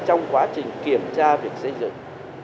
trong quá trình kiểm tra việc xây dựng